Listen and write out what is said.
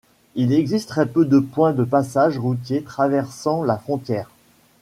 Il existe très peu de points de passages routiers traversant la frontière.